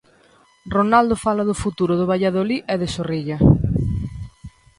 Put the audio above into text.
Ronaldo fala do futuro do Valladolid e de Zorrilla.